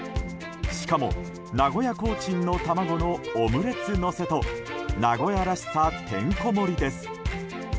しかも名古屋コーチンの卵のオムレツのせと名古屋らしさてんこ盛りです。